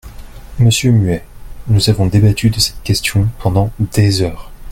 Monsieur Muet, nous avons débattu de cette question pendant des heures.